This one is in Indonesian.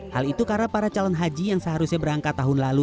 hal itu karena para calon haji yang seharusnya berangkat tahun lalu